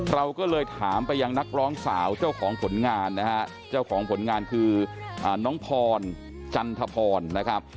เราก็เลยถามไปยังนักร้องสาวเจ้าของผลงานนะฮะเจ้าของผลงานคือน้องพรจันทพรนะครับ